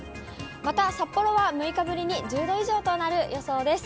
また札幌は６日ぶりに１０度以上となる予想です。